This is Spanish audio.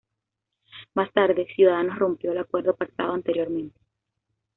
Más tarde, Ciudadanos rompió el acuerdo pactado anteriormente.